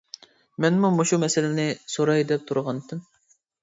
مەنمۇ مۇشۇ مەسىلىنى سوراي دەپ تۇرغانىدىم.